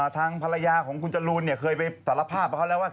ทางภรรยาของคุณจรูนเคยไปสารภาพกับเขาแล้วว่า